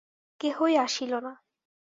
কেহই আসিল না।